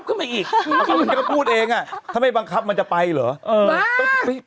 คือคนอย่างอีหนุ่มถ้าไม่บังคับมันไปมันจะไปไหมล่ะ